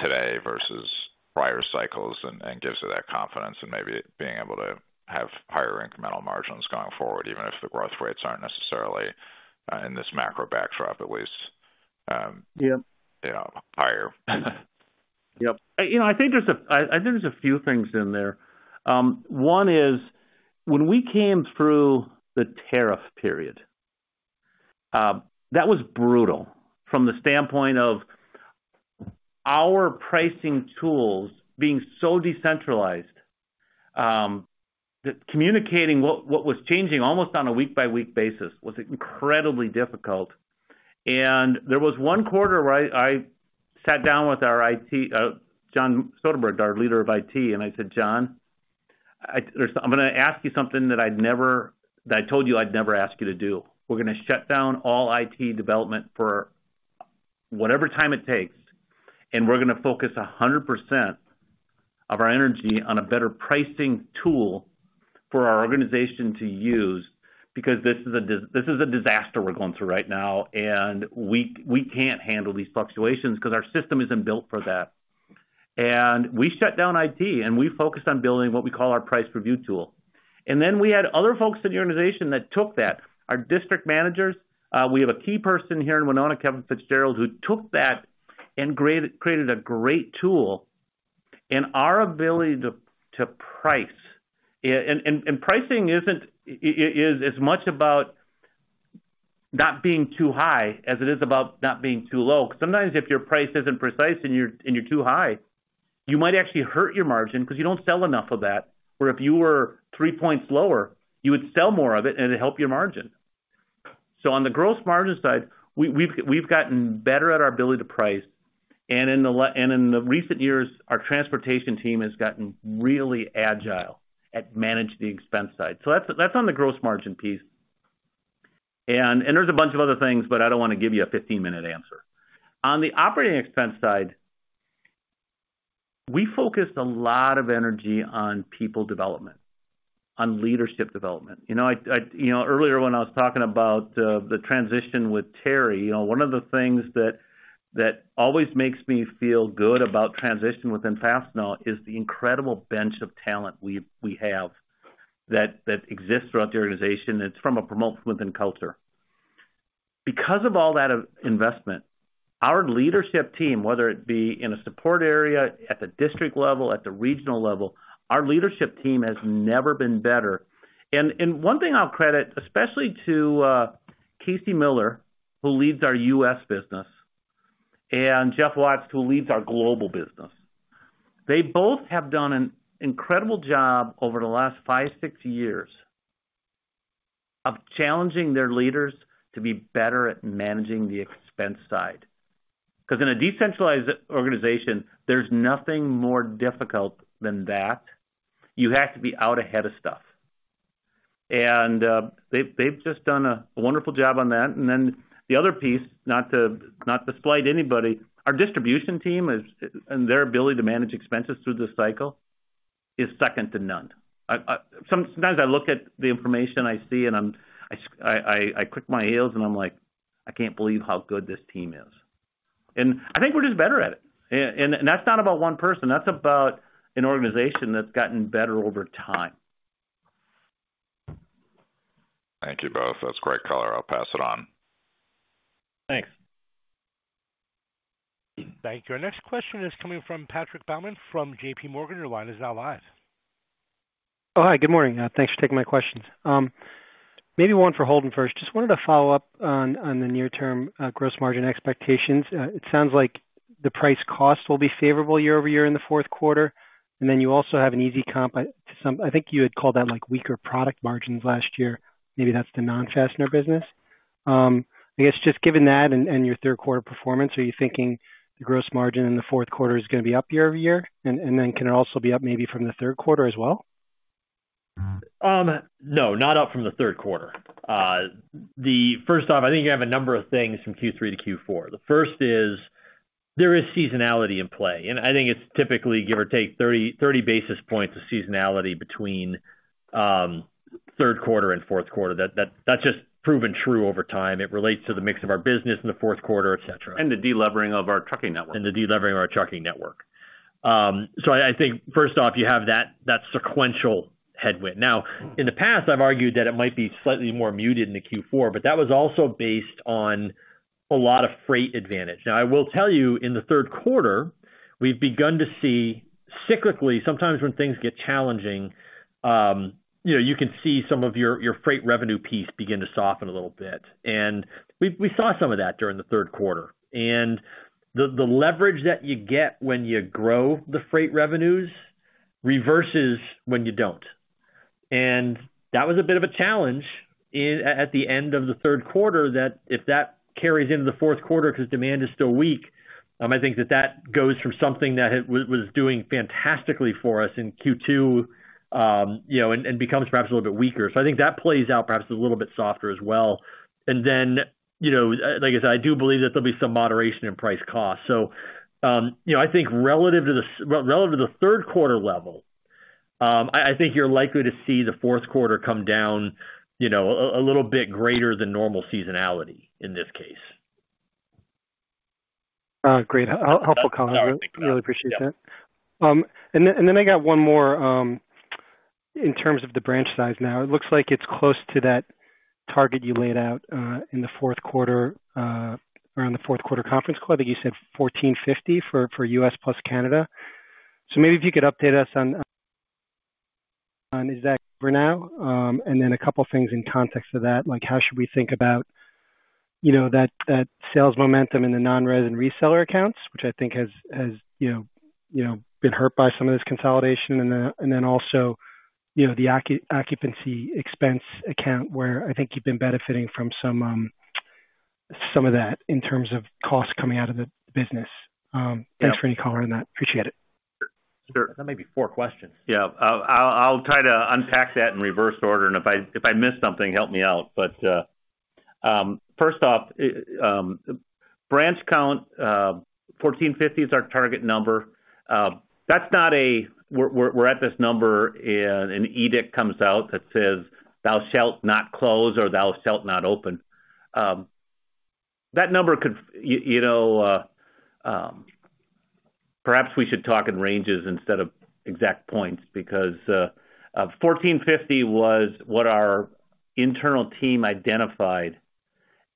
Today versus prior cycles and, and gives you that confidence in maybe being able to have higher incremental margins going forward, even if the growth rates aren't necessarily, in this macro backdrop, at least. Yep. Yeah, higher. Yep. You know, I think there's a few things in there. One is, when we came through the tariff period, that was brutal from the standpoint of our pricing tools being so decentralized, that communicating what was changing almost on a week-by-week basis was incredibly difficult. And there was one quarter where I sat down with our IT, John Soderberg, our leader of IT, and I said, "John, I'm going to ask you something that I told you I'd never ask you to do. We're going to shut down all IT development for whatever time it takes, and we're going to focus 100% of our energy on a better pricing tool for our organization to use, because this is a disaster we're going through right now, and we can't handle these fluctuations 'cause our system isn't built for that." We shut down IT, and we focused on building what we call our price review tool. Then we had other folks in the organization that took that. Our district managers, we have a key person here in Winona, Kevin Fitzgerald, who took that and created a great tool. Our ability to price. Pricing isn't as much about not being too high as it is about not being too low. Sometimes, if your price isn't precise and you're too high, you might actually hurt your margin 'cause you don't sell enough of that. Where if you were three points lower, you would sell more of it, and it'd help your margin. So on the gross margin side, we've gotten better at our ability to price, and in the recent years, our transportation team has gotten really agile at managing the expense side. So that's on the gross margin piece. And there's a bunch of other things, but I don't want to give you a 15-minute answer. On the operating expense side, we focused a lot of energy on people development, on leadership development. You know, I... You know, earlier, when I was talking about the transition with Terry, you know, one of the things that always makes me feel good about transition within Fastenal is the incredible bench of talent we've, we have, that exists throughout the organization. It's from a promotion within culture. Because of all that investment, our leadership team, whether it be in a support area, at the district level, at the regional level, our leadership team has never been better. One thing I'll credit, especially to Casey Miller, who leads our US business, and Jeff Watts, who leads our global business, they both have done an incredible job over the last five, six years of challenging their leaders to be better at managing the expense side. Because in a decentralized organization, there's nothing more difficult than that. You have to be out ahead of stuff. They've just done a wonderful job on that. And then the other piece, not to slight anybody, our distribution team is and their ability to manage expenses through this cycle is second to none. Sometimes I look at the information I see, and I'm, I click my heels, and I'm like: I can't believe how good this team is. And I think we're just better at it. And that's not about one person, that's about an organization that's gotten better over time. Thank you both. That's great color. I'll pass it on. Thanks. Thank you. Our next question is coming from Patrick Bauman from JPMorgan. Your line is now live. Oh, hi, good morning. Thanks for taking my questions. Maybe one for Holden first. Just wanted to follow up on the near-term gross margin expectations. It sounds like the price cost will be favorable year-over-year in the Q4, and then you also have an easy comp, but some... I think you had called that, like, weaker product margins last year. Maybe that's the non-Fastener business. I guess, just given that and your Q3 performance, are you thinking the gross margin in the Q4 is going to be up year-over-year? And then can it also be up maybe from the Q3 as well? No, not up from the Q3. First off, I think you have a number of things from Q3 to Q4. The first is, there is seasonality in play, and I think it's typically, give or take, 30 basis points of seasonality between Q3 and Q4. That's just proven true over time. It relates to the mix of our business in the Q4, et cetera. The de-levering of our trucking network. And the de-levering of our trucking network. So I, I think, first off, you have that, that sequential headwind. Now, in the past, I've argued that it might be slightly more muted in the Q4, but that was also based on a lot of freight advantage. Now, I will tell you, in the Q3, we've begun to see cyclically, sometimes when things get challenging, you know, you can see some of your, your freight revenue piece begin to soften a little bit. And we, we saw some of that during the Q3. And the, the leverage that you get when you grow the freight revenues, reverses when you don't. That was a bit of a challenge in at the end of the Q3, that if that carries into the Q4 because demand is still weak. I think that that goes from something that it was doing fantastically for us in Q2, you know, and becomes perhaps a little bit weaker. So I think that plays out perhaps a little bit softer as well. And then, you know, like I said, I do believe that there'll be some moderation in price cost. So, you know, I think relative to the relative to the Q3. I think you're likely to see the Q4 come down, you know, a little bit greater than normal seasonality in this case. Great. Helpful comment. All right. Really appreciate that. Yeah. And then I got one more in terms of the branch size now. It looks like it's close to that target you laid out in the Q4 around the Q4 conference call. I think you said 1,450 for US plus Canada. So maybe if you could update us on is that for now? And then a couple things in context of that, like, how should we think about, you know, that sales momentum in the non-res and reseller accounts, which I think has you know been hurt by some of this consolidation? And then also, you know, the occupancy expense account, where I think you've been benefiting from some of that in terms of costs coming out of the business. Yeah. Thanks for any color on that. Appreciate it. Sure. That may be four questions. Yeah. I'll try to unpack that in reverse order, and if I miss something, help me out. But, first off, branch count, 1,450 is our target number. That's not a we're at this number and an edict comes out that says, "Thou shalt not close," or, "Thou shalt not open." That number could... You know, perhaps we should talk in ranges instead of exact points, because, 1,450 was what our internal team identified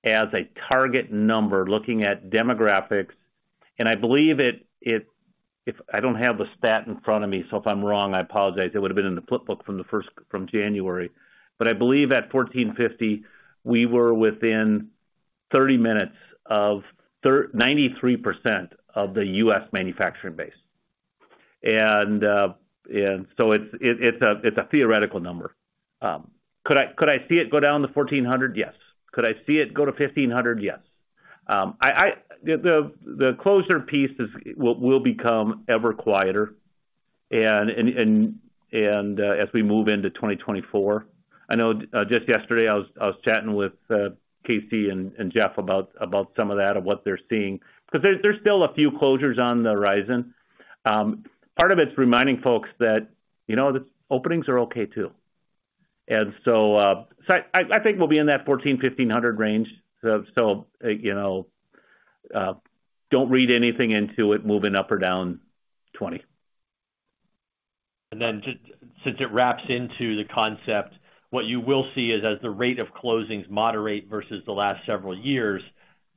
as a target number, looking at demographics. And I believe it-- I don't have the stat in front of me, so if I'm wrong, I apologize. It would have been in the flip book from the first-- from January. But I believe at 1,450, we were within 30 minutes of 93% of the U.S. manufacturing base. And so it's a theoretical number. Could I see it go down to 1,400? Yes. Could I see it go to 1,500? Yes. The closure piece will become ever quieter as we move into 2024. I know just yesterday I was chatting with Casey and Jeff about some of that and what they're seeing. Because there's still a few closures on the horizon. Part of it's reminding folks that, you know, the openings are okay, too. And so I think we'll be in that 1,400-1,500 range. So, you know, don't read anything into it moving up or down 20. And then just since it wraps into the concept, what you will see is as the rate of closings moderate versus the last several years,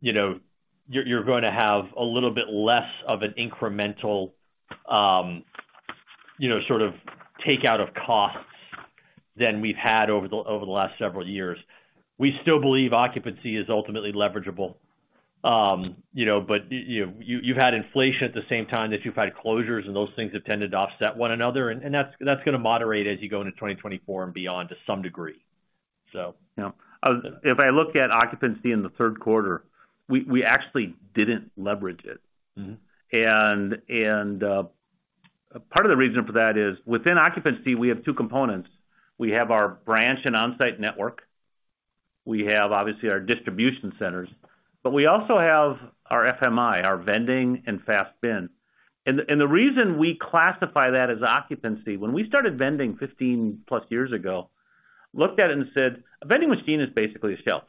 you know, you're going to have a little bit less of an incremental, you know, sort of takeout of costs than we've had over the last several years. We still believe occupancy is ultimately leverageable. You know, but you know, you've had inflation at the same time that you've had closures, and those things have tended to offset one another, and that's going to moderate as you go into 2024 and beyond to some degree. So... Yeah. If I look at occupancy in the Q3, we actually didn't leverage it. Mm-hmm. Part of the reason for that is within occupancy, we have two components. We have our branch and Onsite network. We have, obviously, our distribution centers, but we also have our FMI, our vending and FASTBin. The reason we classify that as occupancy, when we started vending 15+ years ago, looked at it and said, a vending machine is basically a shelf.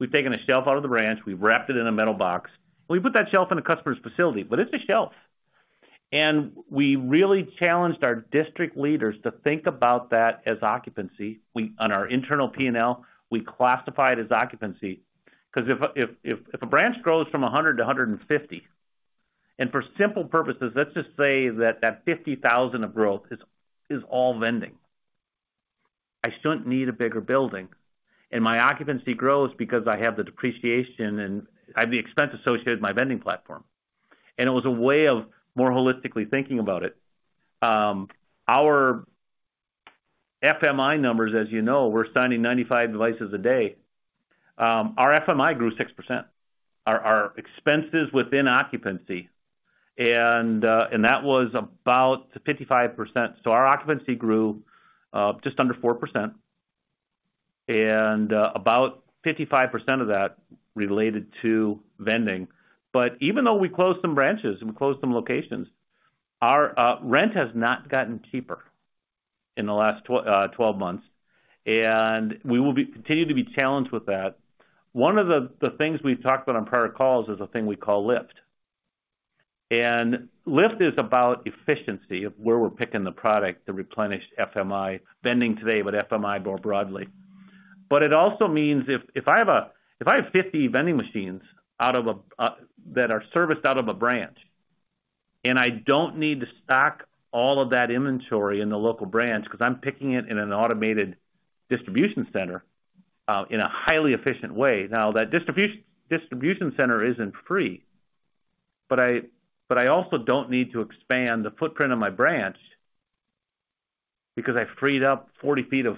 We've taken a shelf out of the branch, we've wrapped it in a metal box, and we put that shelf in a customer's facility, but it's a shelf. And we really challenged our district leaders to think about that as occupancy. On our internal P&L, we classify it as occupancy. Because if a branch grows from 100 to 150, and for simple purposes, let's just say that 50,000 of growth is all vending. I shouldn't need a bigger building, and my occupancy grows because I have the depreciation and I have the expense associated with my vending platform. And it was a way of more holistically thinking about it. Our FMI numbers, as you know, we're signing 95 devices a day. Our FMI grew 6%, our expenses within occupancy, and that was about 55%. So, our occupancy grew just under 4% and about 55% of that related to vending. But even though we closed some branches and we closed some locations, our rent has not gotten cheaper in the last 12 months, and we will continue to be challenged with that. One of the things we've talked about on prior calls is a thing we call Lift. And Lift is about efficiency, of where we're picking the product to replenish FMI, vending today, but FMI more broadly. But it also means if I have 50 vending machines out of a that are serviced out of a branch, and I don't need to stock all of that inventory in the local branch because I'm picking it in an automated distribution center in a highly efficient way. Now, that distribution center isn't free, but I also don't need to expand the footprint of my branch because I freed up 40 feet of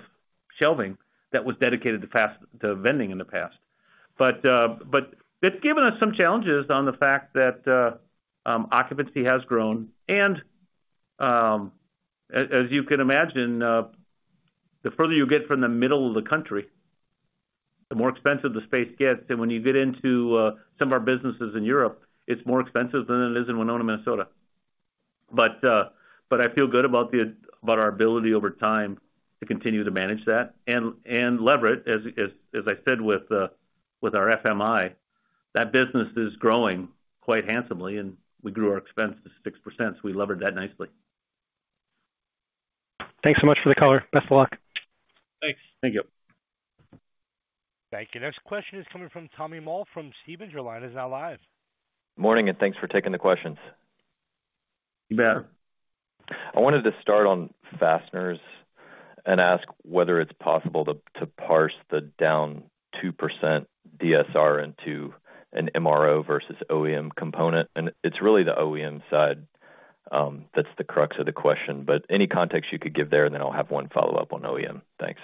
shelving that was dedicated to FAST vending in the past. But it's given us some challenges on the fact that occupancy has grown. And as you can imagine, the further you get from the middle of the country- ... the more expensive the space gets, and when you get into some of our businesses in Europe, it's more expensive than it is in Winona, Minnesota. But I feel good about our ability over time to continue to manage that and lever it, as I said, with our FMI. That business is growing quite handsomely, and we grew our expense to 6%, so we levered that nicely. Thanks so much for the color. Best of luck. Thanks. Thank you. Thank you. Next question is coming from Tommy Moll from Stephens. Your line is now live. Morning, and thanks for taking the questions. You bet. I wanted to start on fasteners and ask whether it's possible to parse the down 2% DSR into an MRO versus OEM component. And it's really the OEM side that's the crux of the question. But any context you could give there, and then I'll have one follow-up on OEM. Thanks.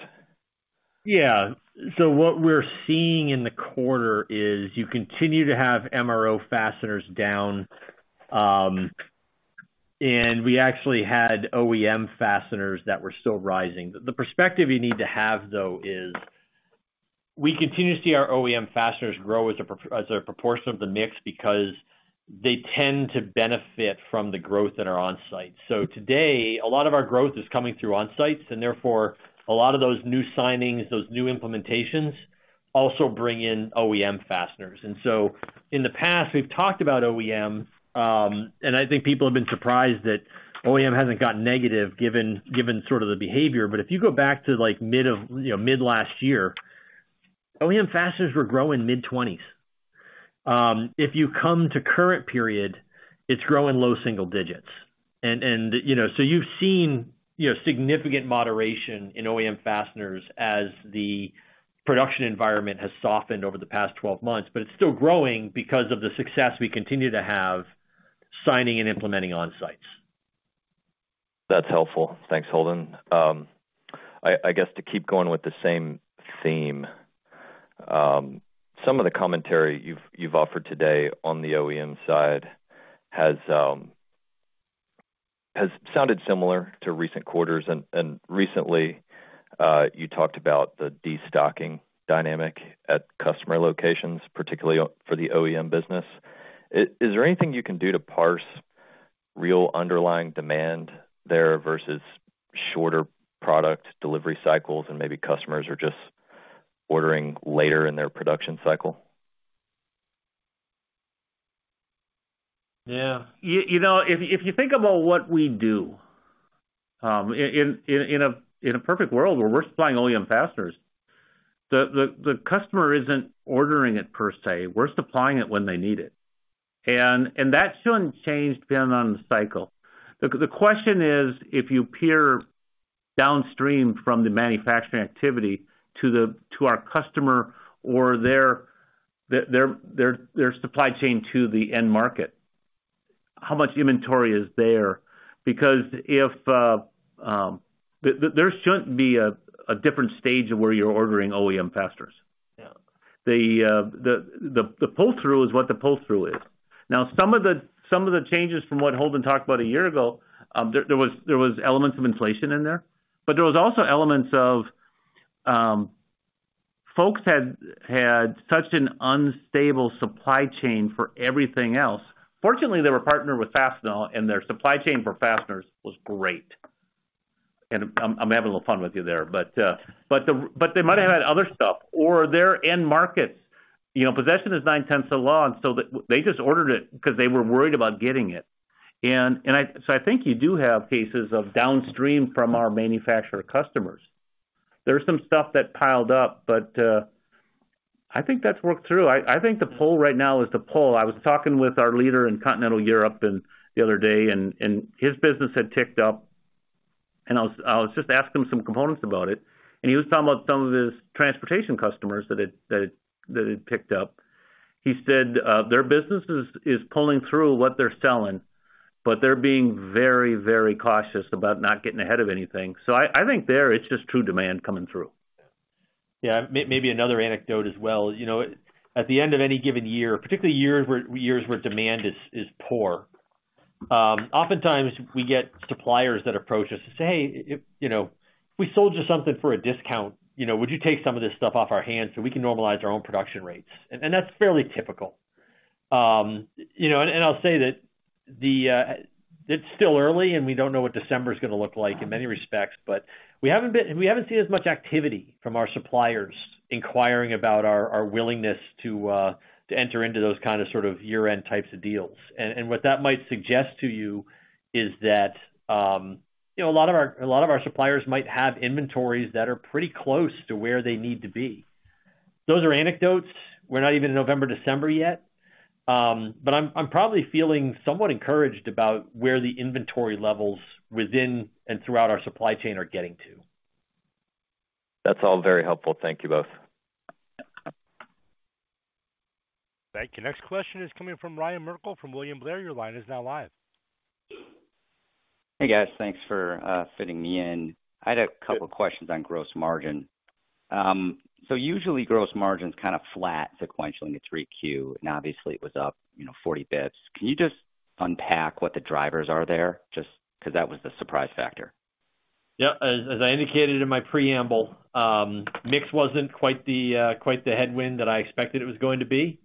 Yeah. So what we're seeing in the quarter is, you continue to have MRO fasteners down, and we actually had OEM fasteners that were still rising. The perspective you need to have, though, is we continue to see our OEM fasteners grow as a proportion of the mix because they tend to benefit from the growth that are on site. So today, a lot of our growth is coming through on sites, and therefore, a lot of those new signings, those new implementations, also bring in OEM fasteners. And so, in the past, we've talked about OEM, and I think people have been surprised that OEM hasn't gotten negative given sort of the behavior. But if you go back to, like, mid last year, OEM fasteners were growing mid-20s. If you come to current period, it's growing low single digits. And, you know, so you've seen, you know, significant moderation in OEM fasteners as the production environment has softened over the past 12 months, but it's still growing because of the success we continue to have signing and implementing Onsites. That's helpful. Thanks, Holden. I guess to keep going with the same theme, some of the commentary you've offered today on the OEM side has sounded similar to recent quarters. Recently, you talked about the destocking dynamic at customer locations, particularly for the OEM business. Is there anything you can do to parse real underlying demand there versus shorter product delivery cycles, and maybe customers are just ordering later in their production cycle? Yeah. You know, if you think about what we do, in a perfect world where we're supplying OEM fasteners, the customer isn't ordering it per se, we're supplying it when they need it. And that shouldn't change depending on the cycle. The question is, if you peer downstream from the manufacturing activity to our customer or their supply chain to the end market, how much inventory is there? Because if there shouldn't be a different stage of where you're ordering OEM fasteners. Yeah. The pull-through is what the pull-through is. Now, some of the changes from what Holden talked about a year ago, there was elements of inflation in there, but there was also elements of folks had such an unstable supply chain for everything else. Fortunately, they were partnered with Fastenal, and their supply chain for fasteners was great. And I'm having a little fun with you there, but they might have had other stuff or their end markets, you know, possession is nine-tenths of the law, and so they just ordered it because they were worried about getting it. And so I think you do have cases of downstream from our manufacturer customers. There's some stuff that piled up, but I think that's worked through. I think the pull right now is the pull. I was talking with our leader in continental Europe the other day, and his business had ticked up, and I was just asking him some components about it, and he was talking about some of his transportation customers that had picked up. He said, their business is pulling through what they're selling, but they're being very, very cautious about not getting ahead of anything. So I think there, it's just true demand coming through. Yeah, maybe another anecdote as well. You know, at the end of any given year, particularly years where demand is poor, oftentimes we get suppliers that approach us to say, "Hey, you know, we sold you something for a discount. You know, would you take some of this stuff off our hands so we can normalize our own production rates?" And that's fairly typical. You know, I'll say that it's still early, and we don't know what December's going to look like in many respects, but we haven't seen as much activity from our suppliers inquiring about our willingness to enter into those kind of sort of year-end types of deals. And what that might suggest to you is that, you know, a lot of our, a lot of our suppliers might have inventories that are pretty close to where they need to be. Those are anecdotes. We're not even in November, December yet. But I'm probably feeling somewhat encouraged about where the inventory levels within and throughout our supply chain are getting to. That's all very helpful. Thank you both. Thank you. Next question is coming from Ryan Merkel from William Blair. Your line is now live. Hey, guys. Thanks for fitting me in. I had a couple of questions on gross margin. So usually, gross margin's kind of flat sequentially in 3Q, and obviously, it was up, you know, 40 bits. Can you just unpack what the drivers are there? Just because that was the surprise factor.... Yep, as I indicated in my preamble, mix wasn't quite the headwind that I expected it was going to be.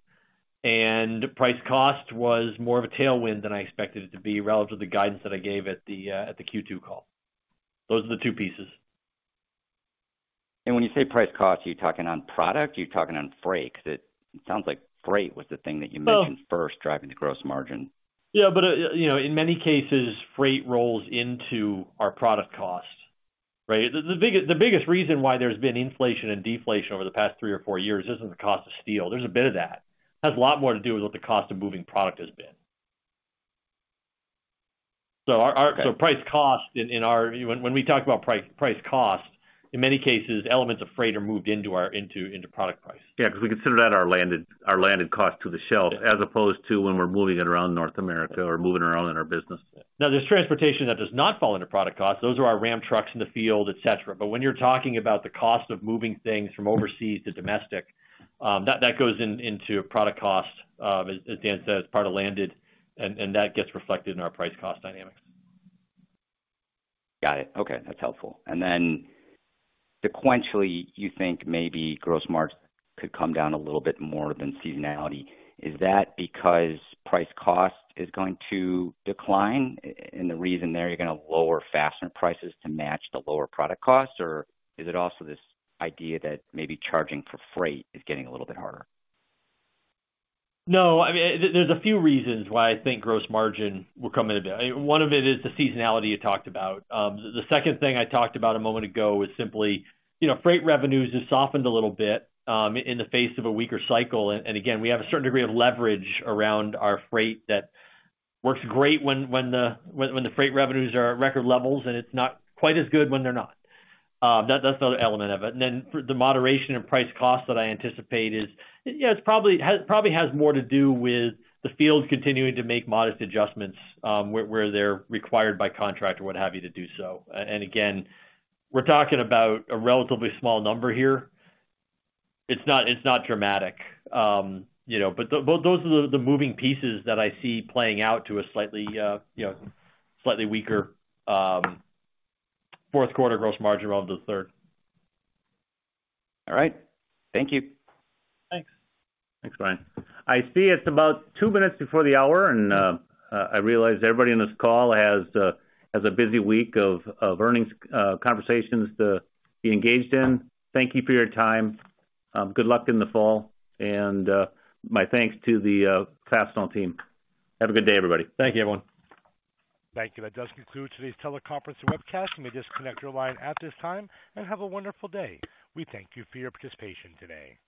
And price cost was more of a tailwind than I expected it to be relative to the guidance that I gave at the Q2 call. Those are the two pieces. When you say price cost, are you talking on product? Are you talking on freight? Because it sounds like freight was the thing that you mentioned first, driving the gross margin. Yeah, but you know, in many cases, freight rolls into our product cost, right? The biggest reason why there's been inflation and deflation over the past three or four years isn't the cost of steel. There's a bit of that. It has a lot more to do with what the cost of moving product has been. So our, our- So, price cost in our... When we talk about price cost, in many cases, elements of freight are moved into our product price. Yeah, because we consider that our landed, our landed cost to the shelf, as opposed to when we're moving it around North America or moving it around in our business. Now, there's transportation that does not fall under product cost. Those are our Ram trucks in the field, etc. But when you're talking about the cost of moving things from overseas to domestic, that goes into product cost, as Dan said, as part of landed, and that gets reflected in our price cost dynamics. Got it. Okay, that's helpful. And then sequentially, you think maybe gross margin could come down a little bit more than seasonality. Is that because price cost is going to decline? And the reason there, you're going to lower fastener prices to match the lower product costs, or is it also this idea that maybe charging for freight is getting a little bit harder? No, I mean, there's a few reasons why I think gross margin will come in a bit. One of it is the seasonality you talked about. The second thing I talked about a moment ago is simply, you know, freight revenues have softened a little bit in the face of a weaker cycle. And again, we have a certain degree of leverage around our freight that works great when the freight revenues are at record levels, and it's not quite as good when they're not. That, that's another element of it. And then for the moderation in price cost that I anticipate is, yeah, it's probably it has probably has more to do with the field continuing to make modest adjustments, where they're required by contract or what have you, to do so. And again, we're talking about a relatively small number here. It's not, it's not dramatic. You know, but those are the moving pieces that I see playing out to a slightly, you know, slightly weaker, Q4 gross margin around the third. All right. Thank you. Thanks. Thanks, Ryan. I see it's about two minutes before the hour, and I realize everybody on this call has a busy week of earnings conversations to be engaged in. Thank you for your time. Good luck in the fall, and my thanks to the Fastenal team. Have a good day, everybody. Thank you, everyone. Thank you. That does conclude today's teleconference and webcast. You may disconnect your line at this time, and have a wonderful day. We thank you for your participation today.